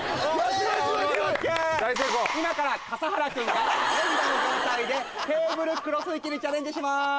今からかさはらくんが全裸の状態でテーブルクロス引きにチャレンジします